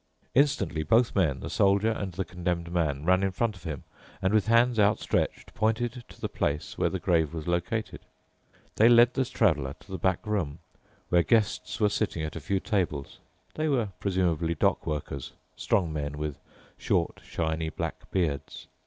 Instantly both men, the Soldier and the Condemned Man, ran in front of him and with hands outstretched pointed to the place where the grave was located. They led the Traveler to the back wall, where guests were sitting at a few tables. They were presumably dock workers, strong men with short, shiny, black beards.